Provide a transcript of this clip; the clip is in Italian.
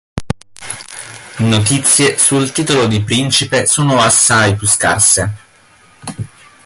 Notizie sul titolo di Principe sono assai più scarse.